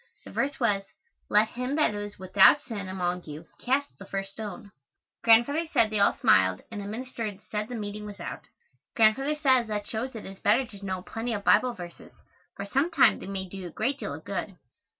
The verse was, "Let him that is without sin among you cast the first stone." Grandfather said they all smiled, and the minister said the meeting was out. Grandfather says that shows it is better to know plenty of Bible verses, for some time they may do you a great deal of good.